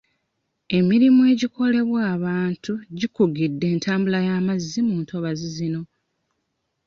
Emirimu egikolebwa abantu gikugidde entambula y'amazzi mu ntobazi zino.